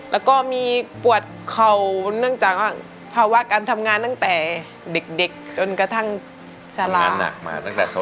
แล้วก็มีปวดเข่าเนื่องจากภาวะการทำงานตั้งแต่เด็กจนกระทั่งฉลาด